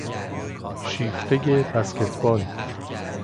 شیفتهی بسکتبال